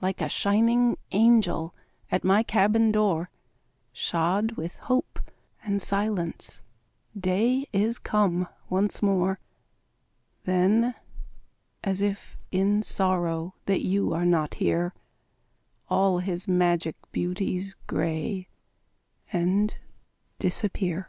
Like a shining angel At my cabin door, Shod with hope and silence, Day is come once more. Then, as if in sorrow That you are not here, All his magic beauties Gray and disappear.